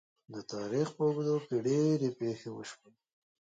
د تاریخ په اوږدو کې ډیرې پېښې وشوې.